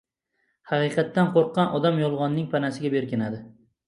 Haqiqatdan qo‘rqqan odam yolg‘onning panasiga berkinadi.